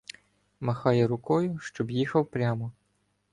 Махає рукою, щоб їхав прямо.